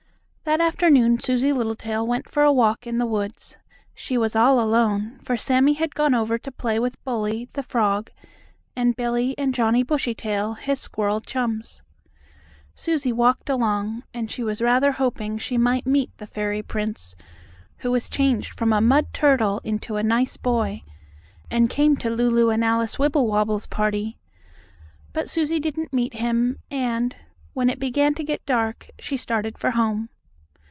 That afternoon Susie Littletail went for a walk in the woods. She was all alone, for Sammie had gone over to play with Bully, the frog, and Billie and Johnnie Bushytail, his squirrel chums. Susie walked along, and she was rather hoping she might meet the fairy prince, who was changed from a mud turtle into a nice boy, and came to Lulu and Alice Wibblewobble's party. But Susie didn't meet him, and, when it began to get dark, she started for home.